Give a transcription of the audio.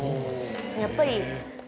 やっぱり。